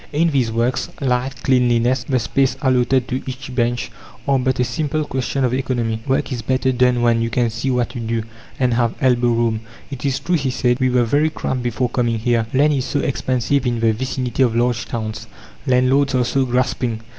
"In these works, light, cleanliness, the space allotted to each bench, are but a simple question of economy. Work is better done when you can see what you do, and have elbow room. "It is true," he said, "we were very cramped before coming here. Land is so expensive in the vicinity of large towns landlords are so grasping!"